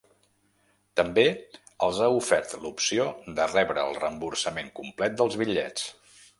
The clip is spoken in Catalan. També els ha ofert l’opció de rebre el reemborsament complet dels bitllets.